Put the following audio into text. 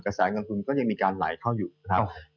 แสนเงินทุนก็ยังมีการไหลเข้าอยู่นะครับ